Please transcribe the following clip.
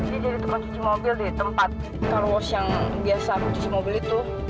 dia jadi tukang cuci mobil di tempat car wash yang biasa aku cuci mobil itu